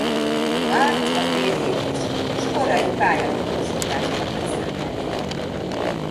Marg a férjét is s korai pályamódosításnak köszönheti.